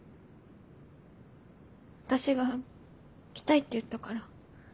私が来たいって言ったから。